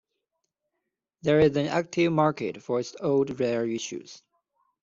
There is an active market for its old, rare issues.